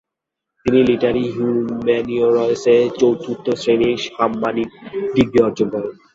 তিনি literary হিউম্যানিওরেস-এ চতুর্থ-শ্রেণির সাম্মানিক degree অর্জন করেন।